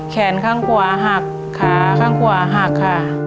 แขนข้างขวาหักขาข้างขวาหักค่ะ